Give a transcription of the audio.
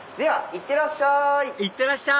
いってらっしゃい！